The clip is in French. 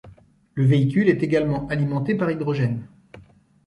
Le véhicule est également alimenté par hydrogène.